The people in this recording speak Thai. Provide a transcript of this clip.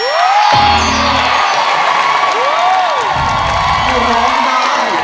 ร้องได้ให้ร้าง